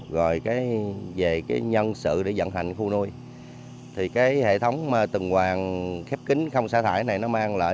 rồi về nhân sự để dẫn hành khu nuôi thì hệ thống tầng hoàng khép kín không xả thải này nó mang lại